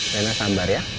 rena sambar ya